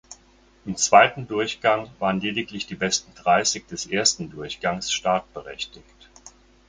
Im zweiten Durchgang waren lediglich die besten Dreißig des ersten Durchgangs startberechtigt.